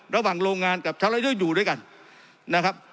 ระหว่างโรงงานกับชาวรายเดอร์อยู่ด้วยกันนะครับ